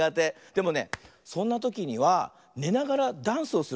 でもねそんなときにはねながらダンスをするとおきられるんだよ。